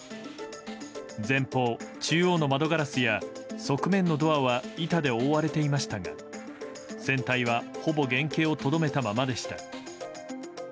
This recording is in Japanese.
前方、中央の窓ガラスや側面の窓は板で覆われていましたが、船体はほぼ原形をとどめたままでした。